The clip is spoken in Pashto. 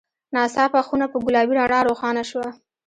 ناڅاپه خونه په ګلابي رڼا روښانه شوه.